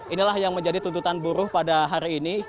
inilah yang menjadi tuntutan buruh pada hari ini